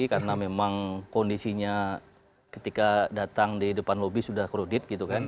karena memang kondisinya ketika datang di depan lobi sudah kerudit gitu kan